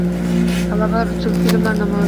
Talabalar uchun filmlar namoyishi